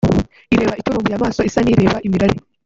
ireba iturumbuye amaso isa n’ireba imirari